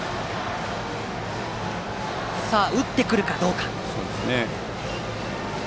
さあ、打ってくるかどうか。